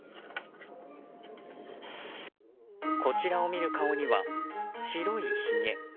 こちらを見る顔には白いひげ。